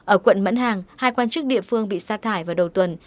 ở quận mẫn hàng hai quan chức địa phương bị xa thải vào đầu tuần